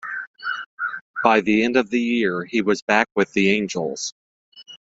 By the end of the year, he was back with the Angels.